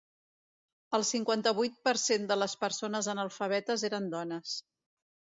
El cinquanta-vuit per cent de les persones analfabetes eren dones.